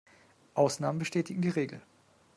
Ausnahmen bestätigen die Regel.